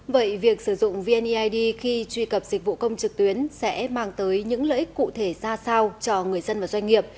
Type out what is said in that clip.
vậy việc sử dụng vneid khi truy cập dịch vụ công trực tuyến sẽ mang tới những lợi ích cụ thể ra sao cho người dân và doanh nghiệp